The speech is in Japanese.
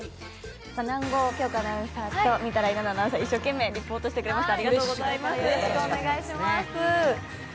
南後杏子アナウンサーと御手洗菜々アナウンサー、一生懸命リポートしてくれました。